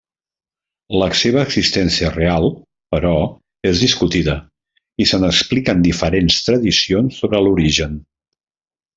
La seva existència real, però, és discutida, i se n'expliquen diferents tradicions sobre l'origen.